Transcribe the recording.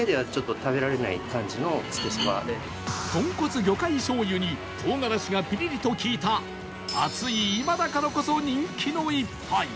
豚骨魚介醤油に唐辛子がピリリと利いた暑い今だからこそ人気の一杯